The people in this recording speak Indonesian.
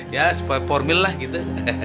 ya supaya formil lah gitu